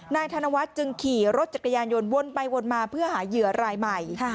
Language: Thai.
ธนวัฒน์จึงขี่รถจักรยานยนต์วนไปวนมาเพื่อหาเหยื่อรายใหม่